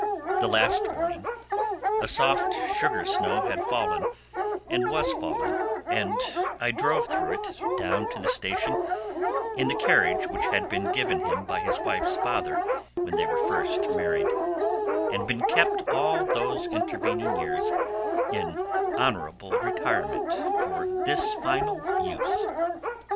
The last morning a soft sugarsnow had fallen and was falling, and I drove through it down to the station in the carriage which had been given him by his wife's father when they were first married, and been kept all those intervening years in honorable retirement for this final use.